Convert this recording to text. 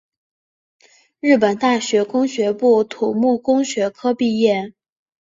日本大学工学部土木工学科毕业。